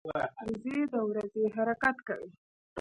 وزې د ورځي حرکت کوي